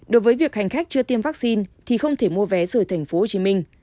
đối với việc hành khách chưa tiêm vaccine thì không thể mua vé rời tp hcm